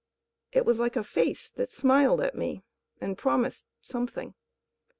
It was like a face that smiled at me and promised something.